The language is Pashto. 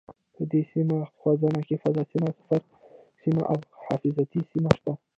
په دې سیم غځونه کې فاز سیم، صفري سیم او حفاظتي سیم شته.